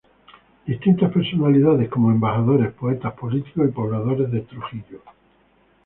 Distintas personalidades como embajadores, poetas, políticos y pobladores de Trujillo.